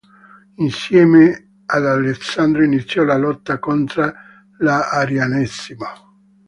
Insieme ad Alessandro iniziò la lotta contro l'arianesimo.